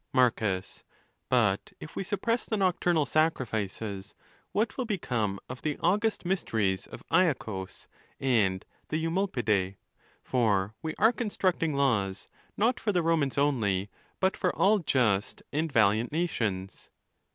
._ Marcus.—But if we suppress the nocturnal sacrifices, what will become of the august mysteries of Iacchus and the Eumolpide? For we are constructing laws, not for the Romans only, but for all just and valiant nations.